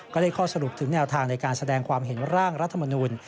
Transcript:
ก็ได้ข้อสรุปถึงแนวทางในการแสดงความเห็นร่างรัฐมนูล